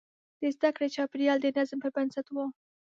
د زده کړې چاپېریال د نظم پر بنسټ و.